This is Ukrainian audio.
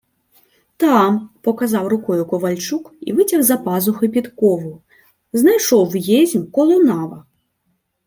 — Там, — показав рукою ковальчук і витяг з-за пазухи підкову. — Знайшов єсмь коло нава.